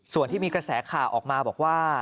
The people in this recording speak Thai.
ส่วนที่มีกระแสข่าวออกมาบอกว่า